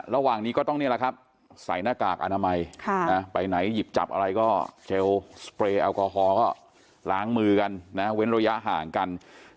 ระหว่างนี้ก็ต้องนี่แหละครับใส่หน้ากากอนามัยไปไหนหยิบจับอะไรก็เจลสเปรย์แอลกอฮอลก็ล้างมือกันนะเว้นระยะห่างกัน